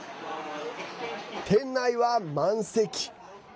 店内は満席。